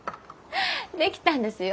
できたんですよ。